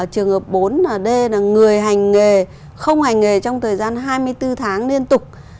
trường hợp bốn d là người hành nghề không hành nghề trong thời gian hai mươi bốn tháng liên tục